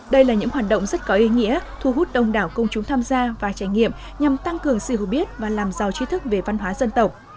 đây là những hoạt động rất có ý nghĩa thu hút đông đảo công chúng tham gia và trải nghiệm nhằm tăng cường sự hiểu biết và làm giàu tri thức về văn hóa dân tộc